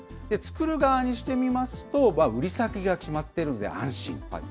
作る側にしてみますと、売り先が決まってるんで、安心。